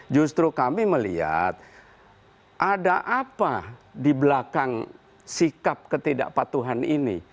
justru kami melihat ada apa di belakang sikap ketidakpatuhan ini